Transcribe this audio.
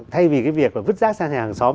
thay vì việc vứt rác sang nhà hàng xóm